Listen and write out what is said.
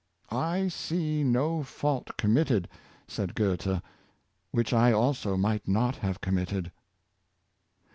'' I see no fault committed," said Goethe, "which I also might not have committed."